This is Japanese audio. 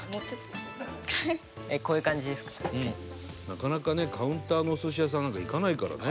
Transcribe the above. なかなかねカウンターのお寿司屋さんなんか行かないからね。